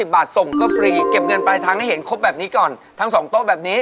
บาทส่งก็ฟรีเก็บเงินปลายทางให้เห็นครบแบบนี้ก่อนทั้ง๒โต๊ะแบบนี้